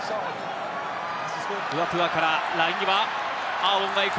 ルアトゥアからライン際、アーウォンが行く。